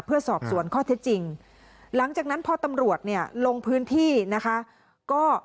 เพื่อสอบสวนข้อเท็จจริงหลังจากนั้นพอตำรวจเนี่ยลงพื้นที่นะคะก็